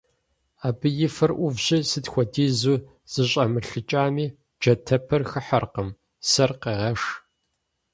Абы и фэр Ӏувщи, сыт хуэдизу зэщӀэмылъыкӀами, джатэпэр хыхьэркъым, сэр къегъэш.